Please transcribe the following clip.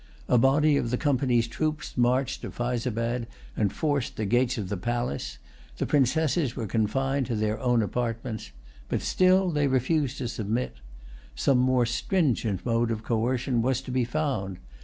A body of the Company's troops marched to Fyzabad, and forced the gates of the palace. The Princesses were confined to their own apartments. But still they refused to submit. Some more stringent mode of coercion was to be found.